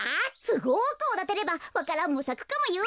すごくおだてればわか蘭もさくかもよ。